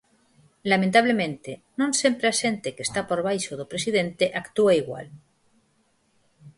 Lamentablemente, non sempre a xente que está por baixo do presidente actúa igual.